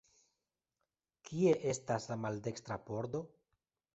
Kie estas la maldekstra pordo?